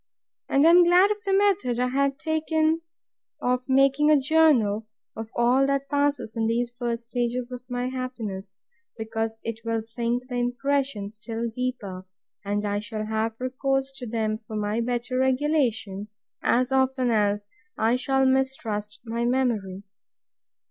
And I am glad of the method I have taken of making a Journal of all that passes in these first stages of my happiness, because it will sink the impression still deeper; and I shall have recourse to them for my better regulation, as often as I shall mistrust my memory.